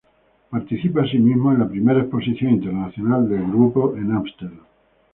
Participa asimismo en la primera exposición internacional del grupo en Ámsterdam.